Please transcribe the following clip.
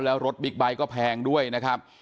แล้วรถบิ๊กไบท์ก็แพงด้วยนะครับ